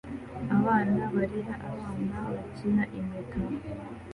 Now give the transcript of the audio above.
Abana barera abana bakina impeta